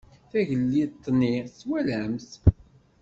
Tagellidt-nni twalam-tt?